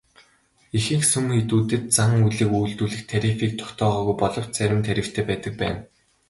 Ихэнх сүм хийдүүдэд зан үйлийг үйлдүүлэх тарифыг тогтоогоогүй боловч зарим нь тарифтай байдаг байна.